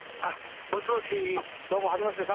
あもしもし。